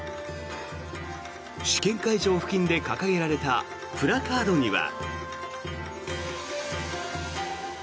試験会場付近で掲げられたプラカードには。